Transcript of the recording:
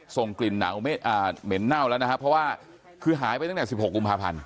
ทรงกลิ่นหนาวเหม็นเน่าแล้วนะฮะเพราะว่าคือหายไปตั้งแต่สิบหกกุมภาพันธุ์